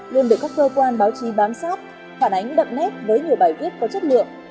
luôn được các cơ quan báo chí bám sát phản ánh đậm nét với nhiều bài viết có chất lượng